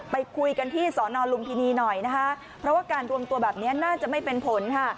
ไปคุยกันที่สอนอนลุมพินีหน่อยนะคะเพราะว่าการรวมตัวแบบนี้น่าจะไม่เป็นผลค่ะ